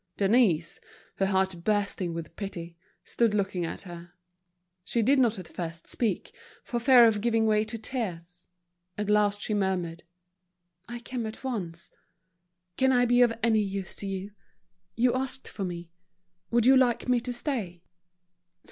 Denise, her heart bursting with pity, stood looking at her. She did not at first speak, for fear of giving way to tears. At last she murmured: "I came at once. Can I be of any use to you? You asked for me. Would you like me to stay?"